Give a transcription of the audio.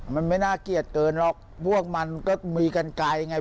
มันไม่น่าเกลียดเกินหรอกพวกมันก็มีกันไกลไง